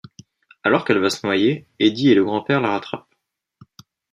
Alors qu'elle va se noyer, Eddie et le grand-père la rattrapent.